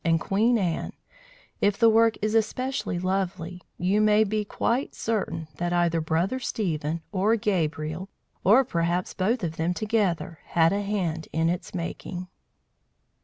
and Queen Anne, if the work is especially lovely, you may be quite certain that either Brother Stephen, or Gabriel, or perhaps both of them together, had a hand in its making.